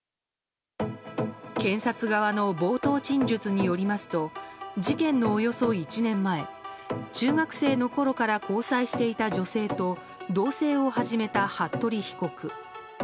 検察側の冒頭陳述によりますと事件のおよそ１年前中学生のころから交際していた女性と同棲を始めた服部被告。